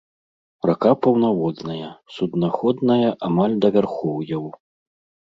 Рака паўнаводная, суднаходная амаль да вярхоўяў.